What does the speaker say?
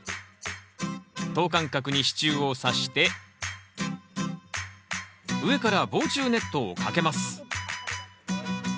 等間隔に支柱をさして上から防虫ネットをかけます。